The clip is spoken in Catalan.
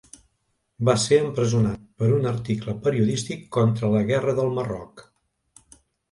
Va ser empresonat per un article periodístic contra la Guerra del Marroc.